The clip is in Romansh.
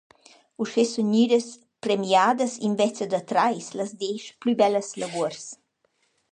Uschè sun gnüdas premiadas invezza da trais, las desch plü bellas lavuors.